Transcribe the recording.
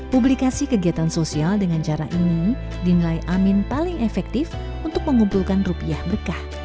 publikasi kegiatan sosial dengan cara ini dinilai amin paling efektif untuk mengumpulkan rupiah berkah